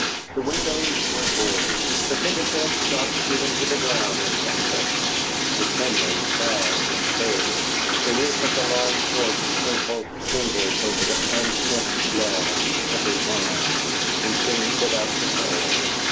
The windows were boarded; the picket fence dropped even to the ground in some sections; the chimneys sagged and curved; the roof of the long porch sprinkled shingles over the unkempt yard with every wind, and seemed about to fall.